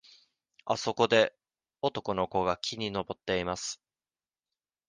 あそこで男の子が木に登っています。